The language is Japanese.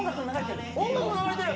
音楽流れてる。